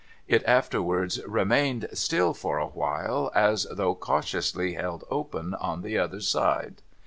It afterwards remained still for a while, as though cautiously held open on the other side.